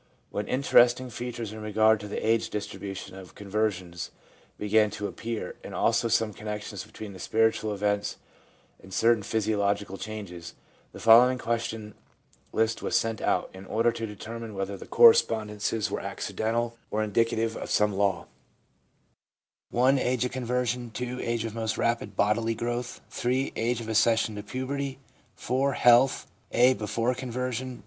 When interesting features in regard to the age distribution of conversions began to appear, and also some connections between the spiritual events and certain physiological changes, the following question list was sent out, in order to determine whether the correspondences were accidental or indicative of some law ;— 25 THE PSYCHOLOGY OF RELIGION (i) Age of conversion (2) Age of most rapid bodily growth (3) Age of accession to puberty (4) Health— (a) Before conversion